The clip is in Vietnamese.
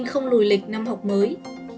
không lùi lịch năm học mới